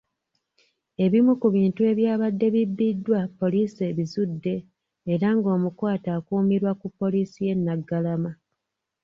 Ebimu ku bintu ebyabadde bibbiddwa poliisi ebizudde era ng'omukwate akuumirwa ku poliisi y'e Naggalama.